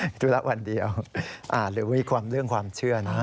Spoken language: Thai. ธุระวันเดียวหรือมีความเรื่องความเชื่อนะ